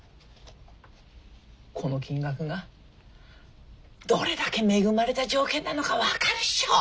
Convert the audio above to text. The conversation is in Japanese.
この金額がどれだけ恵まれた条件なのか分かるっしょ。